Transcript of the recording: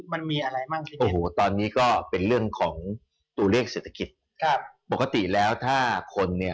มันมีอะไรมากขึ้น